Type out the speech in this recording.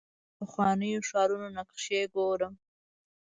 زه د پخوانیو ښارونو نقشې ګورم.